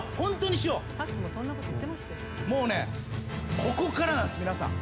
もうねここからなんです皆さん。